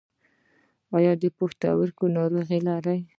ایا د پښتورګو ناروغي لرئ؟